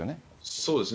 そうですね。